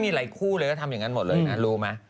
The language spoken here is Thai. มีหลายคู่เลยก็ทำอย่างนั้นหมดเลยนะรู้ไหม